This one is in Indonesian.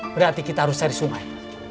berarti kita harus cari sungai